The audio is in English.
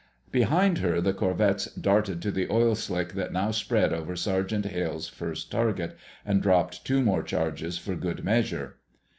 Behind her, the corvettes darted to the oil slick that now spread over Sergeant Hale's first target, and dropped two more charges for good measure.